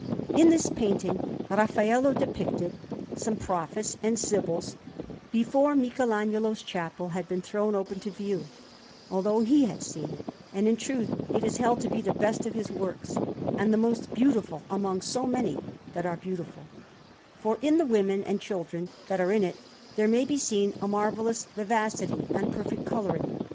In this painting Raffaello depicted some Prophets and Sibyls, before Michelagnolo's chapel had been thrown open to view, although he had seen it; and in truth it is held to be the best of his works, and the most beautiful among so many that are beautiful, for in the women and children that are in it, there may be seen a marvellous vivacity and perfect colouring.